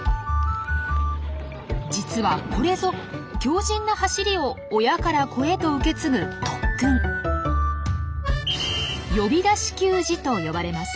実はこれぞ強靱な「走り」を親から子へと受け継ぐ特訓！と呼ばれます。